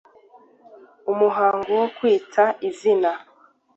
Umuhango wo kwita izina